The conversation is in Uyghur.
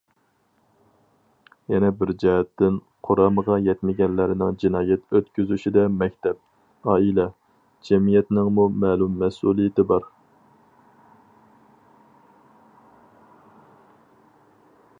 يەنە بىر جەھەتتىن، قۇرامىغا يەتمىگەنلەرنىڭ جىنايەت ئۆتكۈزۈشىدە مەكتەپ، ئائىلە، جەمئىيەتنىڭمۇ مەلۇم مەسئۇلىيىتى بار.